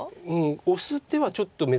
オス手はちょっと珍しい。